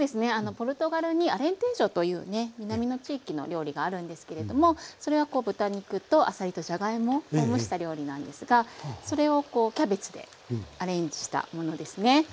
ポルトガルにアレンテージョというね南の地域の料理があるんですけれどもそれは豚肉とあさりとじゃがいもを蒸した料理なんですがそれをキャベツでアレンジしたものですね。